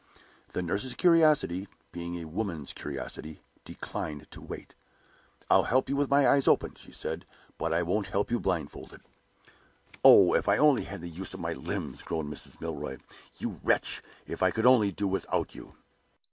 The nurse's curiosity, being a woman's curiosity, declined to wait. "I'll help you with my eyes open," she said; "but I won't help you blindfold." "Oh, if I only had the use of my limbs!" groaned Mrs. Milroy. "You wretch, if I could only do without you!"